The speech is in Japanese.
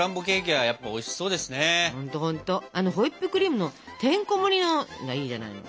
あのホイップクリームのてんこもりのがいいじゃないの。